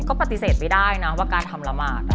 ก็ปฏิเสธไม่ได้นะว่าการทำละหมาด